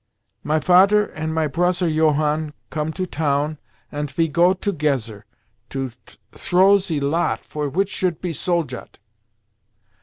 "My Fater and my broser Johann come to town, ant ve go togezer to throw ze lot for which shoult pe Soldat.